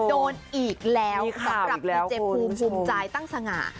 โดนอีกแล้วสำหรับพี่เจฟคุณคุณใจตั้งสง่า